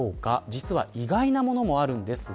実は意外なものもあります。